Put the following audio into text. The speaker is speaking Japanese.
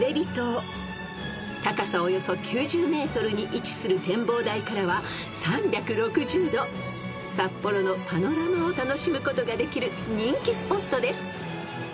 ［高さおよそ９０ｍに位置する展望台からは３６０度札幌のパノラマを楽しむことができる人気スポットです］